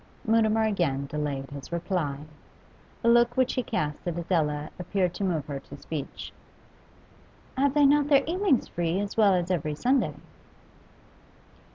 Mutimer again delayed his reply. A look which he cast at Adela appeared to move her to speech. 'Have they not their evenings free, as well as every Sunday?